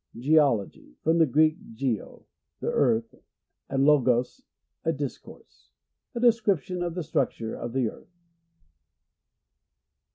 Geology. — From the Greek, gc, the earth, and lopos, a discourse. A description of the structure of the earth.